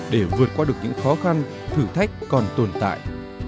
để vượt qua được những khó khăn thử thách còn tồn tại